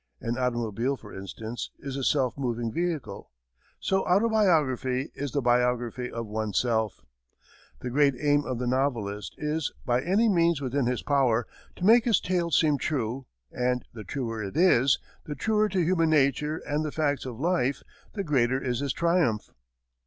An automobile, for instance, is a self moving vehicle. So autobiography is the biography of oneself. The great aim of the novelist is, by any means within his power, to make his tale seem true, and the truer it is the truer to human nature and the facts of life the greater is his triumph.